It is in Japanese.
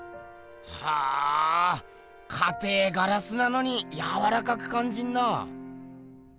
はぁかてぇガラスなのにやわらかくかんじるな。